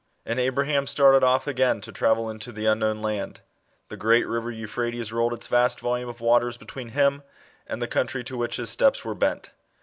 And Abraham started off again to travel into the unknown land. The great river Euphrates rolled its vast volume of watery between him, and the country to which his steps were bent.